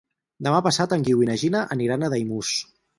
Demà passat en Guiu i na Gina aniran a Daimús.